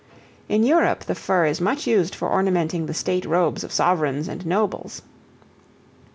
In Europe the fur is much used for ornamenting the state robes of sovereigns and nobles.